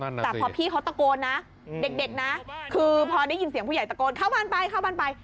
แต่พอพี่เขาตะโกนนะเด็กนะคือพอได้ยินเสียงผู้ใหญ่ตะโกนเข้าบ้านไปเข้าบ้านไป